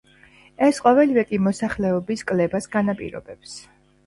ეს ყოველივე კი მოსახლეობის კლებას განაპირობებს.